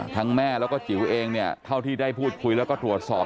แม่แล้วก็จิ๋วเองเนี่ยเท่าที่ได้พูดคุยแล้วก็ตรวจสอบ